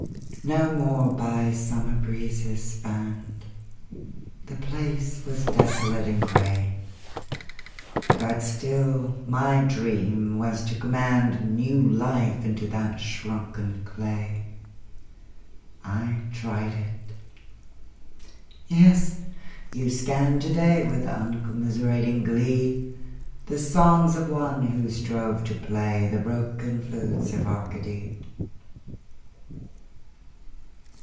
No more by summer breezes fanned, The place was desolate and gray; But still my dream was to command New life into that shrunken clay. I tried it. Yes, you scan to day, With uncommiserating glee, The songs of one who strove to play The broken flutes of Arcady.